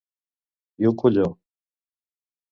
I un colló!